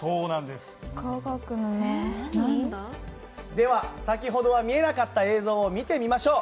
では先ほどは見えなかった映像を見てみましょう。